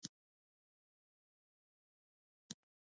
هورمونونه څه دي؟